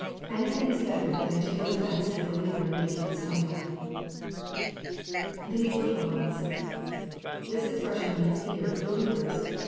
Anytning is better than to give offence to a believer and make him stumble. [TTiese lilUe ones.] This expression means here "believers."